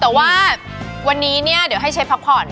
แต่ว่าวันนี้เนี่ยเดี๋ยวให้เชฟพักผ่อน